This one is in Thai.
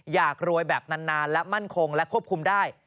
อยากรวยแบบนานและมั่นคงและควบคุมได้